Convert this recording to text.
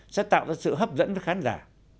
sẽ tạo ra sự hấp dẫn cho khán giả